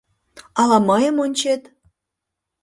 Ала мыйым ончет?